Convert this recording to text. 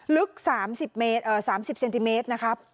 ลึก๓๐เซนติเมตรนะครับ